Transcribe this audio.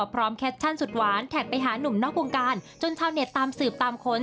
แคปชั่นสุดหวานแท็กไปหานุ่มนอกวงการจนชาวเน็ตตามสืบตามค้น